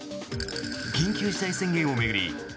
緊急事態宣言を巡り